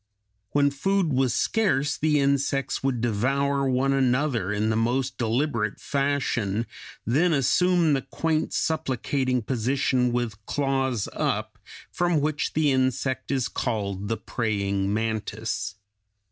When food was scarce the insects would devour one another in the most deliberate fashion, then assume the quaint, supplicating position with claws up, from which the insect is called the praying mantis.